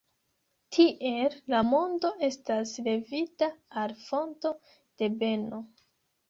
Tiel la mondo estas levita al fonto de beno.